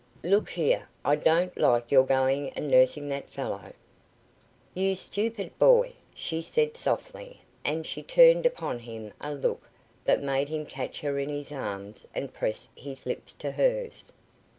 Look here, I don't like your going and nursing that fellow." "You stupid boy!" she said softly; and she turned upon him a look that made him catch her in his arms and press his lips to hers.